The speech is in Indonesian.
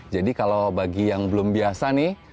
jadi kalau bagi yang belum biasa nih